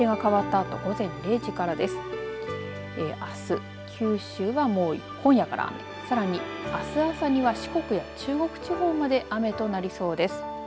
あす九州はもう今夜から雨さらにあす朝には四国や中国地方まで雨となりそうです。